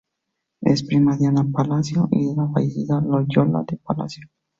Es primo de Ana de Palacio y de la fallecida Loyola de Palacio.